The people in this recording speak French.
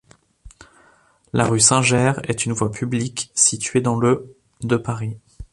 La rue Singer est une voie publique située dans le de Paris.